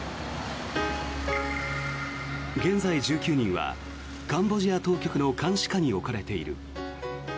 現在、１９人はカンボジア当局の監視下に置かれている。